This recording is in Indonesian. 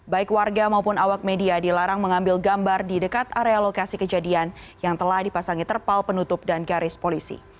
baik warga maupun awak media dilarang mengambil gambar di dekat area lokasi kejadian yang telah dipasangi terpal penutup dan garis polisi